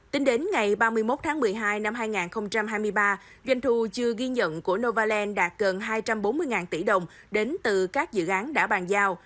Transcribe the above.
tính đến ngày ba mươi một tháng một mươi hai năm hai nghìn hai mươi ba doanh thu chưa ghi nhận của novaland đạt gần hai trăm bốn mươi tỷ đồng đến từ các dự án đã bàn giao